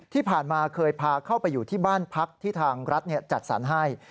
ที่ผ่านมาเคยพาเข้าไปอยู่ที่บ้านพักที่ทางรัฐจัดสรรให้